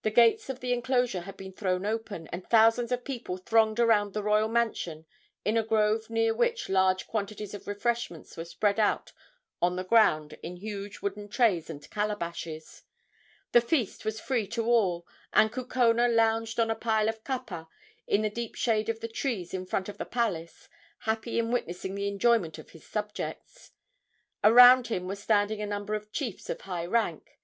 The gates of the enclosure had been thrown open, and thousands of people thronged around the royal mansion in a grove near which large quantities of refreshments were spread on the ground in huge wooden trays and calabashes. The feast was free to all, and Kukona lounged on a pile of kapa in the deep shade of the trees in front of the palace, happy in witnessing the enjoyment of his subjects. Around him were standing a number of chiefs of high rank.